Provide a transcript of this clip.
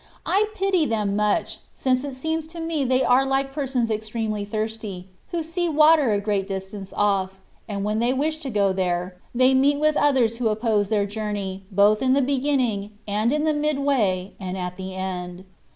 I pity them much, since it seems to me they are like persons extremely thirsty, who see water a great distance oflF, and when they wish to go there, they meet with others who oppose their journey, both in the beginning, and in the mid way, and at the end.